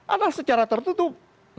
ada secara tertutup